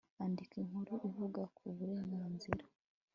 andika inkuru ivuga ku burenganzira